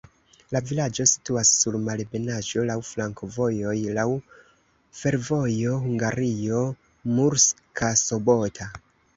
La vilaĝo situas sur malebenaĵo, laŭ flankovojoj, laŭ fervojo Hungario-Murska Sobota.